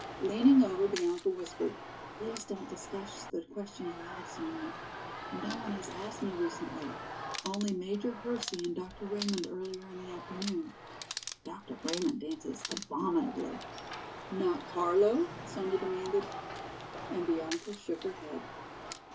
Leaning over, Bianca whispered. "Please don't discuss the question aloud, Sonya. No one has asked me recently, only Major Hersey and Dr. Raymond earlier in the afternoon. Dr. Raymond dances abominably." "Not Carlo?" Sonya demanded. And Bianca shook her head.